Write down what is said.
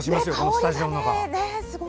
スタジオの中！